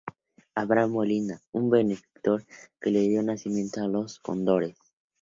Abraham Molina, un benefactor que le dio nacimiento a Los Cóndores.